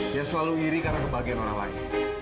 dia selalu iri karena kebahagiaan orang lain